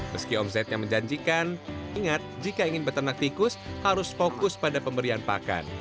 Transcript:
meski om zed yang menjanjikan ingat jika ingin peternak tikus harus fokus pada pemberian pakan